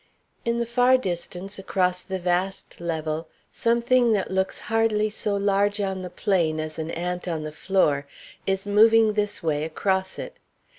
In the far distance, across the vast level, something that looks hardly so large on the plain as an ant on the floor, is moving this way across it.